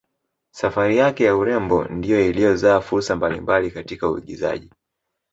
Safari yake ya urembo ndiyo iliyozaa fursa mbali mbali katika uigizaji